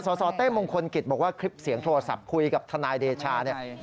สสเต้มงคลกิจบอกว่าคลิปเสียงโทรศัพท์คุยกับทนายเดชาเนี่ย